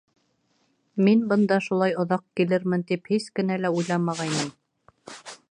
Мин бында шулай оҙаҡ килермен тип һис кенә лә уйламағайным